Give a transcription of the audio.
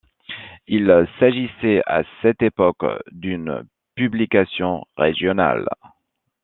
Il s'agissait à cette époque d'une publication régionale.